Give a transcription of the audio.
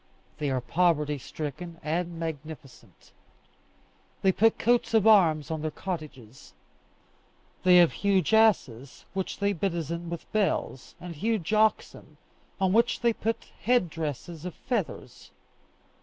They are poverty stricken and magnificent; they put coats of arms on their cottages; they have huge asses, which they bedizen with bells, and huge oxen, on which they put head dresses of feathers.